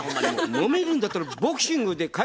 もめるんだったらボクシングで解決しようよ。